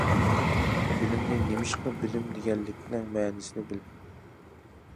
بىلىمنى نېمىشقا بىلىم دېگەنلىكنىڭ مەنىسىنى بىل.